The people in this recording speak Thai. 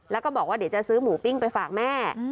แล้วก็บอกว่าเดี๋ยวจะซื้อหมูปิ้งไปฝากแม่